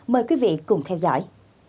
mời quý vị cùng theo dõi